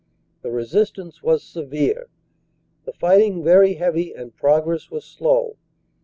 The resistance was severe, the righting very heavy and progress was slow.